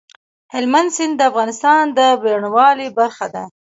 هلمند سیند د افغانستان د بڼوالۍ برخه ده.